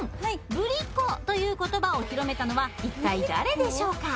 「ぶりっ子」という言葉を広めたのは一体誰でしょうか？